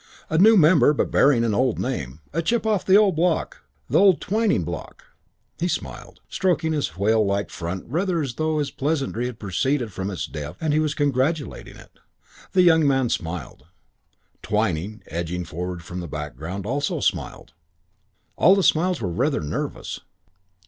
"A new member but bearing an old name. A chip of the old block the old Twyning block." He smiled, stroking his whale like front rather as though this pleasantry had proceeded from its depths and he was congratulating it. The young man smiled. Twyning, edging forward from the background, also smiled. All the smiles were rather nervous.